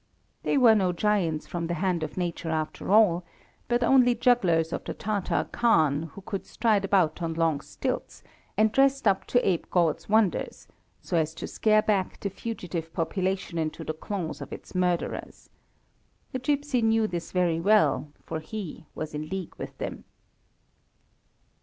They were no giants from the hand of Nature after all, but only jugglers of the Tatar khan who could stride about on long stilts, and dressed up to ape God's wonders, so as to scare back the fugitive population into the claws of its murderers. The gipsy knew this very well, for he was in league with them.